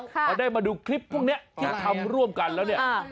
พอได้มาดูคลิปพวกนี้ที่ทำร่วมกันแล้วเนี่ย